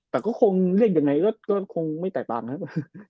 แต่ก็คงเรียกยังไงก็คงไม่แตกต่างนะครับ